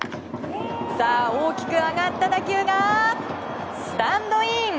大きく上がった打球がスタンドイン！